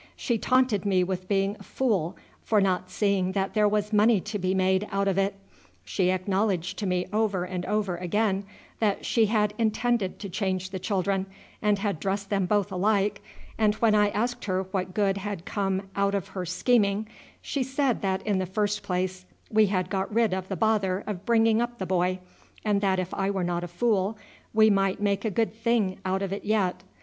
She taunted me with being a fool for not seeing that there was money to be made out of it. She acknowledged to me over and over again that she had intended to change the children, and had dressed them both alike; and when I asked her what good had come out of her scheming, she said that in the first place we had got rid of the bother of bringing up the boy, and that if I were not a fool we might make a good thing out of it yet.